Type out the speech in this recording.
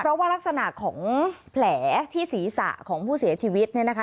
เพราะว่ารักษณะของแผลที่ศีรษะของผู้เสียชีวิตเนี่ยนะคะ